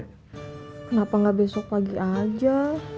kenapa nggak besok pagi aja